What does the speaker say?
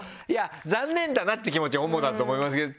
残念だなって気持ちが主だと思いますけど。